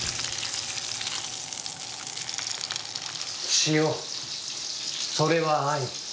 塩それは愛。